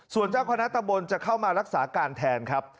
ส่วนเจ้าคณะตะบนจะเข้ามารักษาการแทนครับ